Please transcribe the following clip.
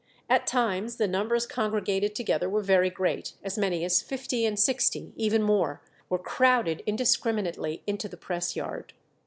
At times the numbers congregated together were very great; as many as fifty and sixty, even more, were crowded indiscriminately into the press yard.